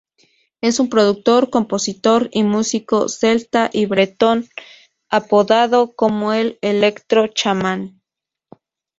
Es un productor, compositor y músico, celta y bretón apodado como el "electro-chamán.